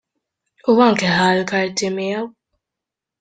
U anke ħa l-karti miegħu!